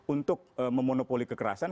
untuk memonopoli kekerasan